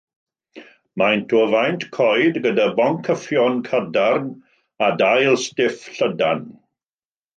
Maent o faint coed gyda boncyffion cadarn a dail stiff, llydan.